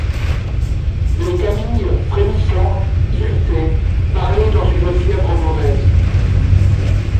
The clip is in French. Mais Camille, frémissante, irritée, parlait dans une fièvre mauvaise.